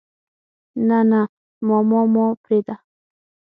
نه نه ماما ما پرېده.